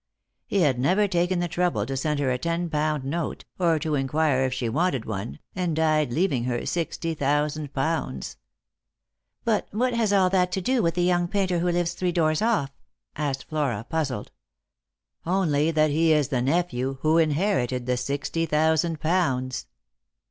He had never taken the trouble to send her a ten pound note, or to inquire if she wanted one, and died leav ing her sixty thousand pounds." " But what has all that to do with the young painter who lives three doors off?" asked Flora, puzzled. " Only that he is the nephew who inherited the sixty thousand pounds."